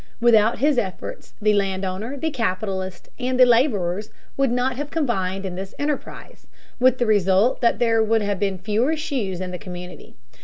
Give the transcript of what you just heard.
Without his efforts the land owner, the capitalist, and the laborers would not have combined in this enterprise, with the result that there would have been fewer shoes in the community.